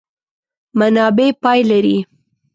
منابع پای لري.